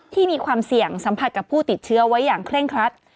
มีความเสี่ยงสัมผัสกับผู้ติดเชื้อไว้อย่างเคร่งครัด